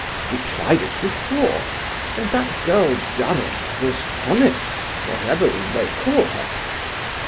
We tried it before; and that girl Durham was honest, whatever we may call her.